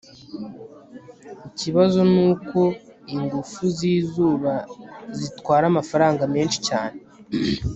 Ikibazo nuko ingufu zizuba zitwara amafaranga menshi cyane